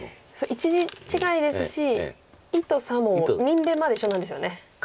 １字違いですし「伊」と「佐」も「にんべん」まで一緒なんですよね。